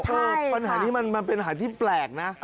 ปัญหานี้มันเป็นปัญหาที่แปลกนะ